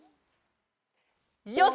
よし！